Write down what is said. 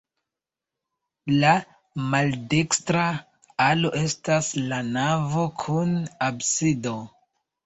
La maldekstra alo estas la navo kun absido.